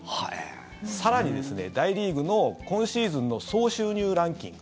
更にですね、大リーグの今シーズンの総収入ランキング。